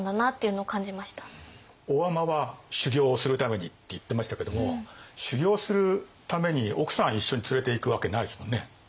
大海人は修行をするためにって言ってましたけども修行をするために奥さん一緒に連れていくわけないですもんね。